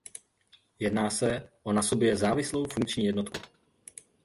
Jedná se o na sobě závislou funkční jednotku.